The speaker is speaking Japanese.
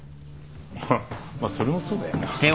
まあそれもそうだよな。